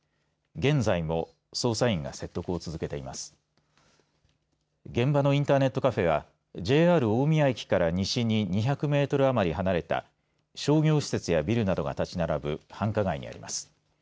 現場のインターネットカフェはＪＲ大宮駅から西に２００メートル余り離れた商業施設やビルなどが建ち並ぶ繁華街にあります。